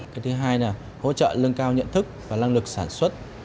cái thứ hai là hỗ trợ lưng cao nhận thức và lăng lực sản xuất